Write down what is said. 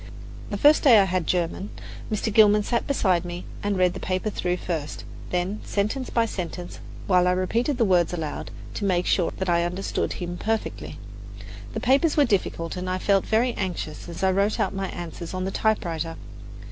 The first day I had German. Mr. Gilman sat beside me and read the paper through first, then sentence by sentence, while I repeated the words aloud, to make sure that I understood him perfectly. The papers were difficult, and I felt very anxious as I wrote out my answers on the typewriter.